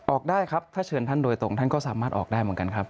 ออกได้ครับถ้าเชิญท่านโดยตรงท่านก็สามารถออกได้เหมือนกันครับ